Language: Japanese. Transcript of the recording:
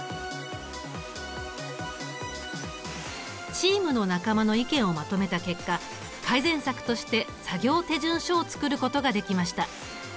チームの仲間の意見をまとめた結果改善策として作業手順書を作ることができました。